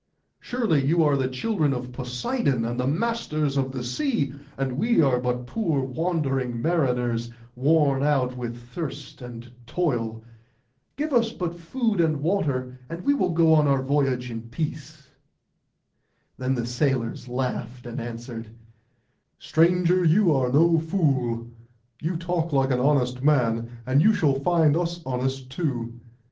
'Surely you are the children of Poseidon, and the masters of the sea; and we are but poor wandering mariners, worn out with thirst and toil. Give us but food and water, and we will go on our voyage in peace.' Then the sailors laughed, and answered, 'Stranger, you are no fool; you talk like an honest man, and you shall find us honest too.